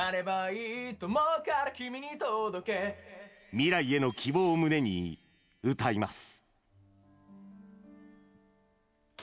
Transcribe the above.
未来への希望を胸に歌います。